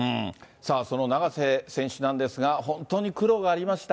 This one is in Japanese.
さあ、その永瀬選手なんですが、本当に苦労がありました。